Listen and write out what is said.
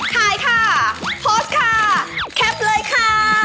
ถ่ายค่ะโพสต์ค่ะแคปเลยค่ะ